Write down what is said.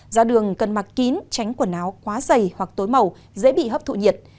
ra đường cần mặc kín tránh quần áo quá dày hoặc tối màu dễ bị hấp thụ nhiệt